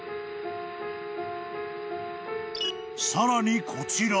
［さらにこちら］